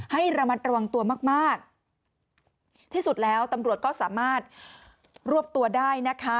ให้ระมัดระวังตัวมากมากที่สุดแล้วตำรวจก็สามารถรวบตัวได้นะคะ